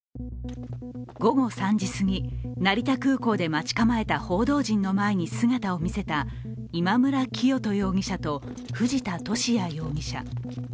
午後３時すぎ、成田空港で待ち構えた報道陣の前に姿を見せた今村磨人容疑者と藤田聖也容疑者。